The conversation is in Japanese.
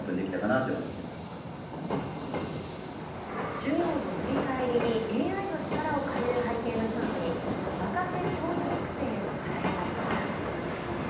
授業の振り返りにＡＩの力を借りる背景の一つに、若手教員育成への課題がありました。